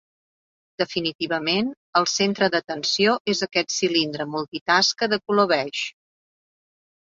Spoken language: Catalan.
Definitivament, el centre d'atenció és aquest cilindre multitasca de color beix.